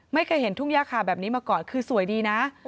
ไม่เคยเห็นทุ่งย่าขาแบบนี้มาก่อนคือสวยดีนะ